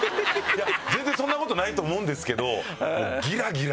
全然そんなことないと思うんですけど。